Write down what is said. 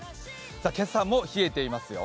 今朝も冷えていますよ。